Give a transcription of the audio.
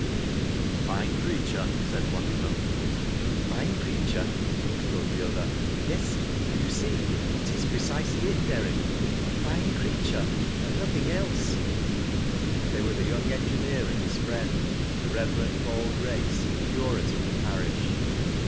" A fine creature !" said one of them. " A fine creature !" echoed the other. " Yes, and you see that is precisely it, Derrick. ' A fine creature '— and nothing else." They were the young engineer and his friend the Reverend Paul Grace, curate of the parish.